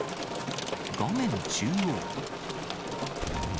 画面中央。